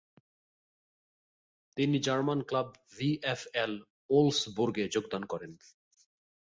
তিনি German club VfL উলফসবুর্গে যোগদান করেন।